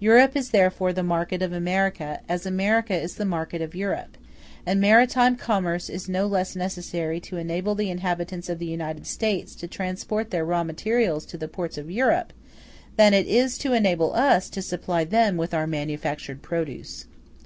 Europe is therefore the market of America, as America is the market of Europe; and maritime commerce is no less necessary to enable the inhabitants of the United States to transport their raw materials to the ports of Europe, than it is to enable us to supply them with our manufactured produce.